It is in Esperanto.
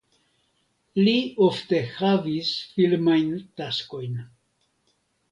Li ofte havis filmajn taskojn.